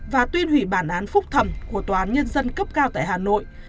và tuyên hủy bản án phúc thẩm của toán nhân dân cấp cao tại hà nội